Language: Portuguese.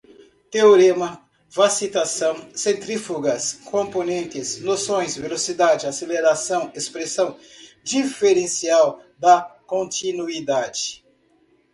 teorema, vacitação, centrífugas, componentes, noções, velocidade, aceleração, expressão diferencial da continuidade